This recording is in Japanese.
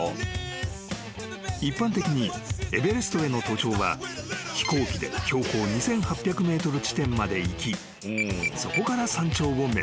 ［一般的にエベレストへの登頂は飛行機で標高２，８００ｍ地点まで行きそこから山頂を目指す］